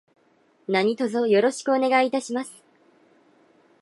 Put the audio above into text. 何卒よろしくお願いいたします。